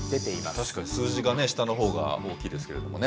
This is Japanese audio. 確かに数字が下のほうが大きいですけれどもね。